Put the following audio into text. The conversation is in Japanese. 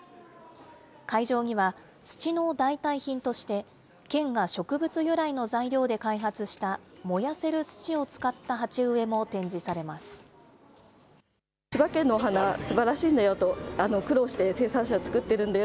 会場には、土の代替品として、県が植物由来の材料で開発した燃やせる土を使った鉢植えも展示されます。